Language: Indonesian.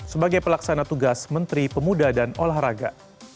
sebagai pelaksana tugas menteri pemuda dan olahraga